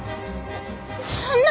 そんな！